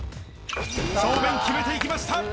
正面、決めていきました。